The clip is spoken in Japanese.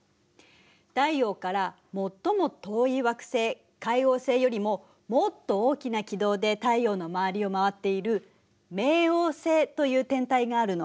太陽から最も遠い惑星海王星よりももっと大きな軌道で太陽の周りをまわっている冥王星という天体があるの。